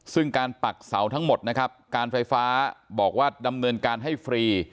ซึ่งการปักเสาทั้งหมดนะครับการไฟฟ้าบอกว่าดำเนินการให้ฟรี